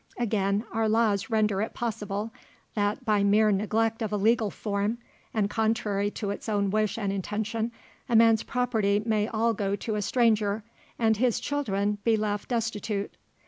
Again, our laws render it possible, that, by mere neglect of a legal form, and contrary to his own wish and intention, a man's property may all go to a stranger, and his own children be left destitute.